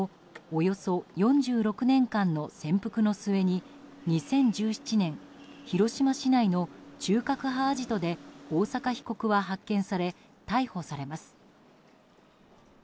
およそ４６年間の潜伏の末に２０１７年広島市内の中核派アジトで大坂被告は発見され逮捕されます。